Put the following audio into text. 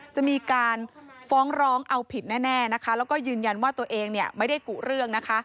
จะมีการฟ้องร้องเอาผิดแน่นะคะแล้วก็ยืนยันว่าตัวเองไม่ได้กุเรื่องนะคะ